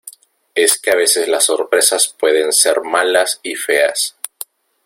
es que a veces las sorpresas pueden ser malas y feas.